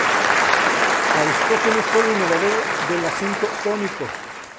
Aristófanes fue el innovador del acento tónico.